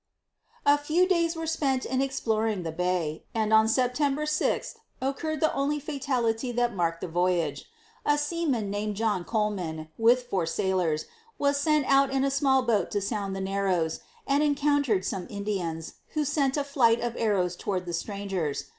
A few days were spent in exploring the bay, and on September 6 occurred the only fatality that marked the voyage. A seaman named John Colman, with four sailors, was sent out in a small boat to sound the Narrows, and encountered some Indians, who sent a flight of arrows toward the strangers.